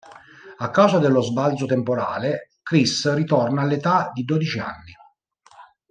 A causa dello sbalzo temporale, Chris ritorna all'età di dodici anni.